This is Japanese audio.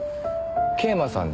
桂馬さんに？